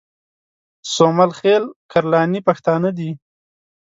سومل خېل کرلاني پښتانه دي